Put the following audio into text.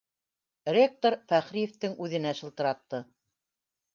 Ректор Фәхриевтең үҙенә шылтыратты